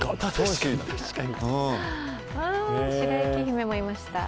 白雪姫もいました。